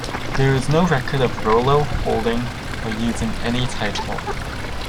There is no record of Rollo holding or using any title.